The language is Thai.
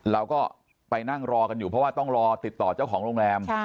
เราก็ไปนั่งรอกันอยู่เพราะว่าต้องรอติดต่อเจ้าของโรงแรม